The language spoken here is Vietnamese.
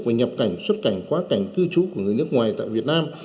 của nhập cảnh xuất cảnh quá cảnh cư trú của người nước ngoài tại việt nam